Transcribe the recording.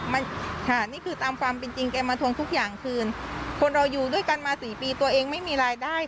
มันค่ะนี่คือตามความเป็นจริงแกมาทวงทุกอย่างคืนคนเราอยู่ด้วยกันมาสี่ปีตัวเองไม่มีรายได้